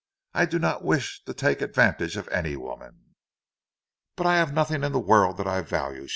"I do not wish to take advantage of any woman." "But I have nothing in the world that I value!"